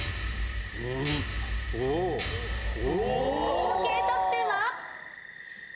合計得点は。